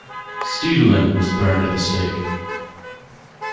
Stedelen was burned at the stake.